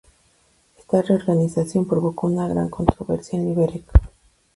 Esta reorganización provocó una gran controversia en Liberec.